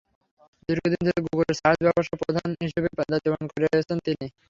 দীর্ঘদিন ধরে গুগলের সার্চ ব্যবসার প্রধান হিসেবে দায়িত্ব পালন করেছেন তিনি।